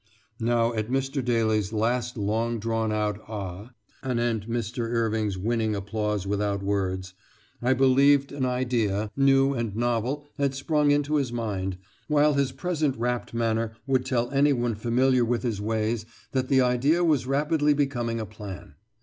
Now at Mr. Daly's last long drawn out "A a ah," anent Mr. Irving's winning applause without words, I believed an idea, new and novel, had sprung into his mind, while his present rapt manner would tell anyone familiar with his ways that the idea was rapidly becoming a plan.